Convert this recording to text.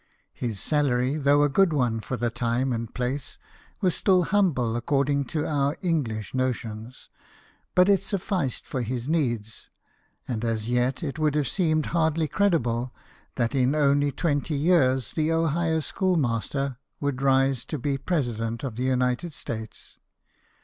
His salary, though a good one for the time and place, was still humble according to our English notions ; but it sufficed for his needs ; and as yet it would have seemed hardly credible that in only twenty years the Ohio schoolmaster would rise to be President of the United States.